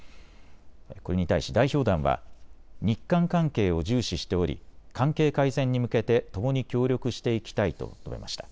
これに対し代表団は日韓関係を重視しており関係改善に向けてともに協力していきたいと述べました。